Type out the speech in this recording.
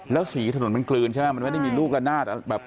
แล้วสีถนนมันกลืนใช่ไหมมันไม่ได้มีลูกละนาดแบบ